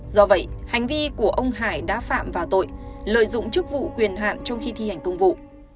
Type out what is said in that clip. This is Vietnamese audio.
do vậy hành vi của ông hải đã phạm vào tội lợi dụng chức vụ quyền hạn trong khi thi hành công vụ